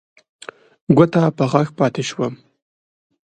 ګوته په غاښ پاتې شوم.